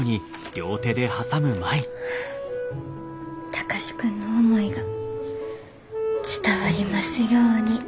貴司君の思いが伝わりますように。